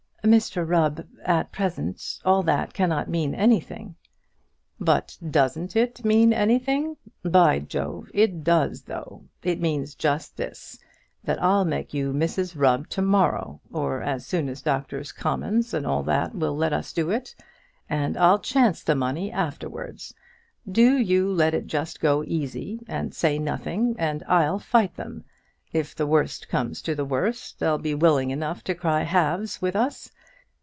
"Mr Rubb, at present, all that cannot mean anything." "But doesn't it mean anything? By Jove! it does though. It means just this, that I'll make you Mrs Rubb to morrow, or as soon as Doctors' Commons, and all that, will let us do it; and I'll chance the money afterwards. Do you let it just go easy, and say nothing, and I'll fight them. If the worst comes to the worst, they'll be willing enough to cry halves with us.